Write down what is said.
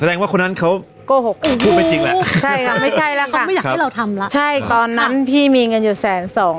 แสดงว่าคนนั้นเขาโกหกถูกไปจริงล่ะค่ะไม่ใช่ตอนนั้นพี่มีเงินอยู่แสน๒๐๐๐บาท